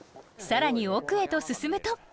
更に奥へと進むと。